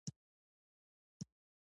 د انحصار کوونکي د توکې بدیل نه وي.